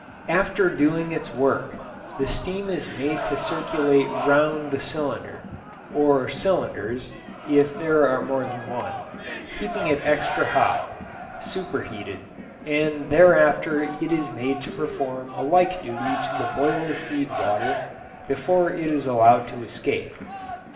After doing its work the steam is made to circulate round the cylinder (or cylinders, if there are more than one), keeping it extra hot "superheated"; and thereafter it is made to perform a like duty to the boiler feed water, before it is allowed to escape.